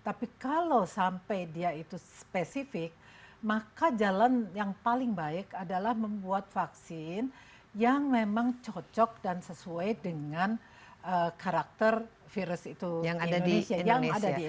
tapi kalau sampai dia itu spesifik maka jalan yang paling baik adalah membuat vaksin yang memang cocok dan sesuai dengan karakter virus itu yang ada di indonesia